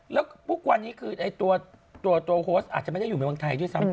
แล้วทุกวันนี้คือตัวโฮสอาจจะไม่ได้อยู่ในเมืองไทยด้วยซ้ำไป